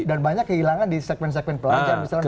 dan banyak kehilangan di segmen segmen pelajaran